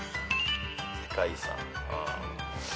世界遺産。